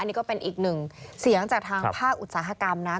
นี่ก็เป็นอีกหนึ่งเสียงจากทางภาคอุตสาหกรรมนะ